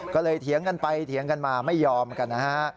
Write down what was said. ก็เลยเถียงกันไปเถียงกันมาไม่ยอมกันนะฮะ